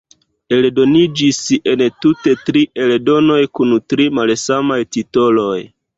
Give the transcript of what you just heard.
Eldoniĝis entute tri eldonoj kun tri malsamaj titoloj.